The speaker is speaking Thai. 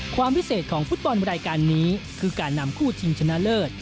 ความพิเศษของฟุตบอลรายการนี้คือการนำคู่ชิงชนะเลิศ